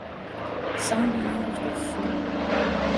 São Domingos do Sul